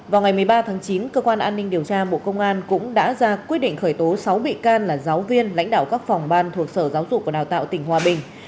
vào ngày một mươi ba tháng chín cơ quan an ninh điều tra bộ công an cũng đã ra quyết định khởi tố sáu bị can là giáo viên lãnh đạo các phòng ban thuộc sở giáo dục và đào tạo tỉnh hòa bình